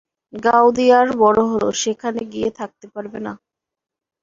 গাওদিয়ায় বড় হল, সেখানে গিয়ে থাকতে পারবে না?